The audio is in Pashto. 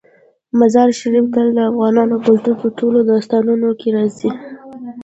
مزارشریف تل د افغان کلتور په ټولو داستانونو کې راځي.